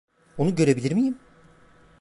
Onu görebilir miyim?